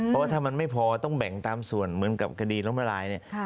เพราะว่าถ้ามันไม่พอต้องแบ่งตามส่วนเหมือนกับคดีล้มละลายเนี่ย